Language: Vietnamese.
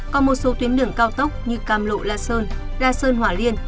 có một số tuyến đường cao tốc như cam lộ la sơn la sơn hỏa liên